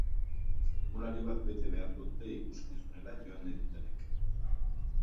Formulario bat bete beharko dute ikuskizunera joan nahi dutenek.